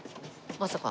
まさか。